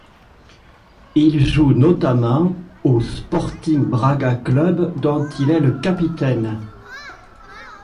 Il joue notamment au Sporting Braga, club dont il est le capitaine.